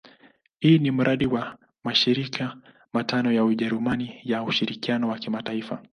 Huu ni mradi wa mashirika matano ya Ujerumani ya ushirikiano wa kimataifa.